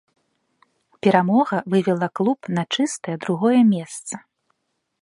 Перамога вывела клуб на чыстае другое месца.